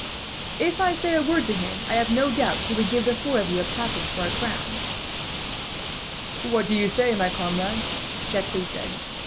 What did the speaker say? If I say a word to him, I have no doubt he would give the four of you a passage, for a crown." "What do you say, comrades?" Jacques said.